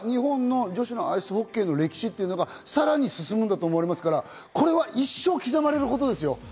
ここから日本のアイスホッケーの歴史がさらに進むのかと思いますから、これは一生刻まれることですよ。